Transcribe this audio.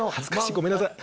ごめんなさい。